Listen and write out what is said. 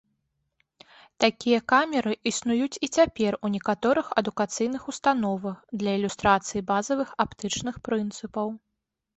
Такія камеры існуюць і цяпер у некаторых адукацыйных установах для ілюстрацыі базавых аптычных прынцыпаў.